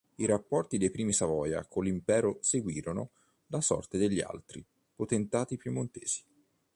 I rapporti dei primi Savoia con l'Impero seguirono la sorte degli altri potentati piemontesi.